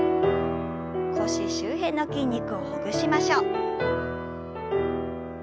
腰周辺の筋肉をほぐしましょう。